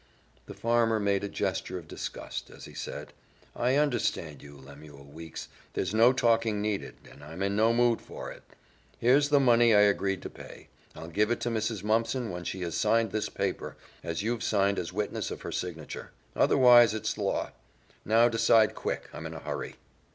The farmer made a gesture of disgust as he said, "I understand you, Lemuel Weeks. There's no talking needed and I'm in no mood for it. Here's the money I agreed to pay. I'll give it to Mrs. Mumpson when she has signed this paper, and you've signed as witness of her signature. Otherwise, it's law. Now decide quick, I'm in a hurry."